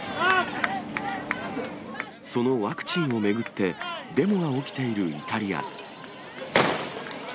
そのワクチンを巡って、デモが起きているイタリア。